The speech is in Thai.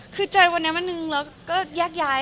คือเจอวันนี้แบบนึงก็แยกย้าย